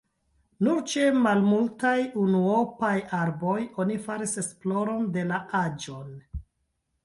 Nur ĉe malmultaj unuopaj arboj oni faris esploron de la aĝon.